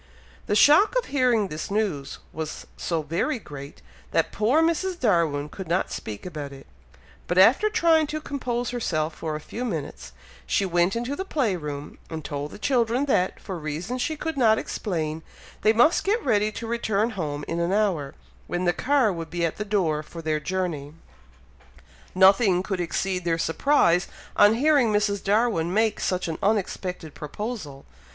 The shock of hearing this news was so very great, that poor Mrs. Darwin could not speak about it, but after trying to compose herself for a few minutes, she went into the play room, and told the children that, for reasons she could not explain, they must get ready to return home in an hour, when the car would be at the door for their journey. Nothing could exceed their surprise on hearing Mrs. Darwin make such an unexpected proposal.